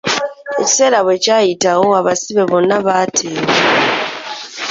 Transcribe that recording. Ekiseera bwe kyayitawo, abasibe bonna baateebwa.